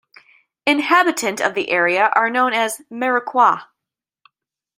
Inhabitant of the area are known as "Mauriacois".